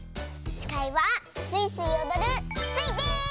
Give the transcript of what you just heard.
しかいはスイスイおどるスイです！